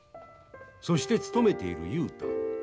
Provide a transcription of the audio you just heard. そして勤めている雄太